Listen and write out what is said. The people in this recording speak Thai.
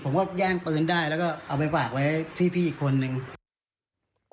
ผมก็แย่งปืนได้แล้วก็เอาไปฝากไว้ที่พี่อีกคนนึง